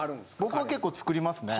僕は結構作りますね。